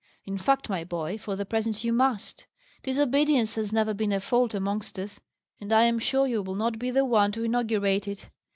In fact, my boy, for the present you must. Disobedience has never been a fault amongst us, and I am sure you will not be the one to inaugurate it.